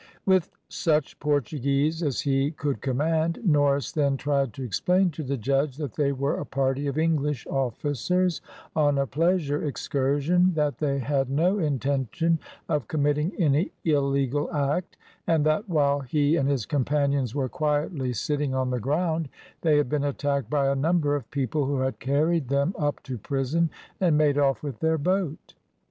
With such Portuguese as he could command, Norris then tried to explain to the judge that they were a party of English officers on a pleasure excursion, that they had no intention of committing any illegal act; and that while he and his companions were quietly sitting on the ground they had been attacked by a number of people, who had carried them up to prison and made off with their boat.